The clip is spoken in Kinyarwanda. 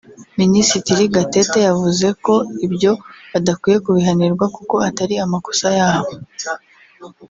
Minisitiri Gatete yavuze ko ibyo badakwiye kubihanirwa kuko atari amakosa yabo